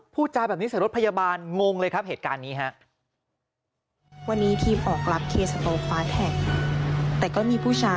พูดจาแบบนี้ใส่รถพยาบาลงงเลยครับเหตุการณ์นี้ครับ